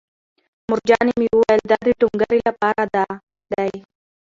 مورجانې مې وویل چې دا د ټونګرې لپاره دی